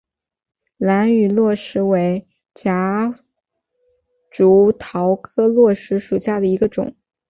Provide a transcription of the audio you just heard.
兰屿络石为夹竹桃科络石属下的一个种。